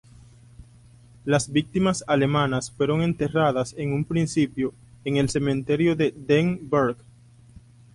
Las víctimas alemanas fueron enterradas en un principio en el cementerio de Den Burg.